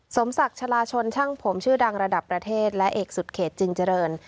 สมศักดิ์ชะลาชนช่างผมชื่อดังระดับประเทศและเอกสุดเขตจึงเจริญ